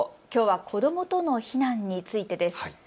きょうは子どもとの避難についてです。